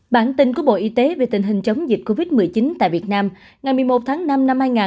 bản tin của bộ y tế về tình hình chống dịch covid một mươi chín tại việt nam ngày một mươi một tháng năm năm hai nghìn hai mươi